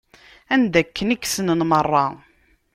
Anda aken i k-snen meṛṛa.